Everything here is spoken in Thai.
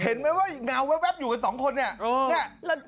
เห็นไหมว่าเงาแว๊บอยู่กันสองคนเนี่ย